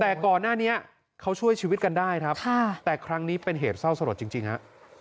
แต่ก่อนหน้านี้เขาช่วยชีวิตกันได้ครับแต่ครั้งนี้เป็นเหตุเศร้าสลดจริงฮะ